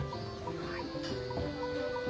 はい。